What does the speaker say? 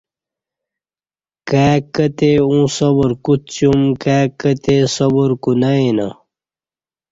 کائی کتی اوں صبر کوڅیوم کائی کتی صبر کو نہ یینہ